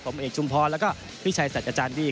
ผมเอกชุมพรแล้วก็พี่ชัยสัตว์อาจารย์บี้